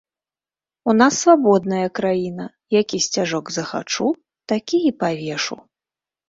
У нас свабодная краіна, які сцяжок захачу, такі і павешу.